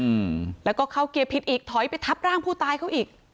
อืมแล้วก็เข้าเกียร์ผิดอีกถอยไปทับร่างผู้ตายเขาอีก